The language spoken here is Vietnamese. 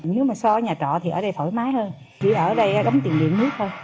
nếu mà so nhà trọ thì ở đây thoải mái hơn chỉ ở đây gấm tiền điện nước thôi